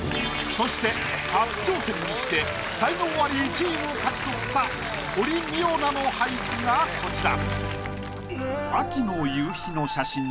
そして初挑戦にして才能アリ１位を勝ち取った堀未央奈の俳句がこちら。